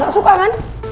gak suka kan